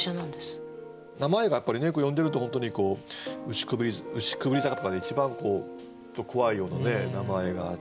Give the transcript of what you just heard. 名前がやっぱり読んでると本当に「牛縊坂」とか一番怖いような名前があって。